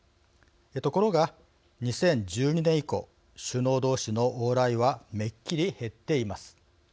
ところが２０１２年以降首脳同士の往来はめっきり減っています。